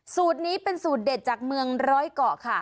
สูตรนี้เป็นสูตรเด็ดจากเมืองร้อยเกาะค่ะ